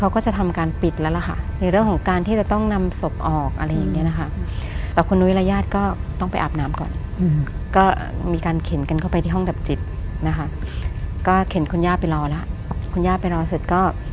ก็เข็นคุณย่าไปรอแล้วคุณย่าไปรอเสร็จก็